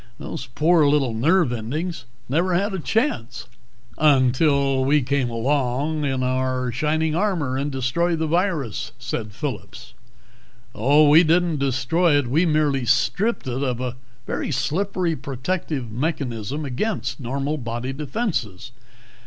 Those poor little nerve endings never had a chance!" "Until we came along in our shining armor and destroyed the virus," said Phillip. "Oh, we didn't destroy it. We merely stripped it of a very slippery protective mechanism against normal body defences."